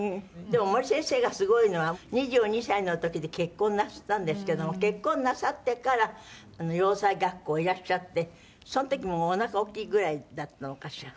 でも森先生がすごいのは２２歳の時に結婚なすったんですけども結婚なさってから洋裁学校へいらっしゃってその時もうおなか大きいぐらいだったのかしら？